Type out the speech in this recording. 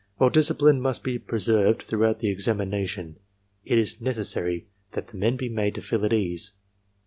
While discipline must be preserved throughout the examina tion, it is necessary that the men be made to feel at ease.